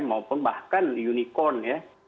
mau pun bahkan unicorn ya